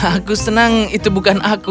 aku senang itu bukan aku